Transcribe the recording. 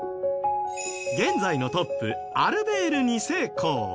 現在のトップアルベール２世公。